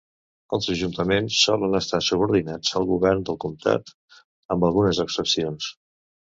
Els ajuntaments solen estar subordinats al govern del comtat, amb algunes excepcions.